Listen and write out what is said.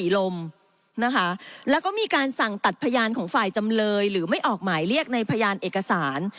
นะคะแล้วก็มีการสั่งตัดพยานของฝ่ายจำเลยหรือไม่ออกหมายเรียกในพยานเอกสาร